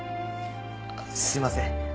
すいません。